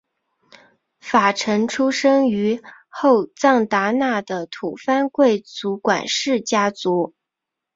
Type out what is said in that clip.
法成出生于后藏达那的吐蕃贵族管氏家族。